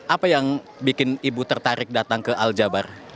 apa yang bikin ibu tertarik datang ke al jabar